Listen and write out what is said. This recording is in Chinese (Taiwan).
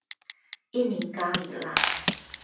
印尼咖哩辣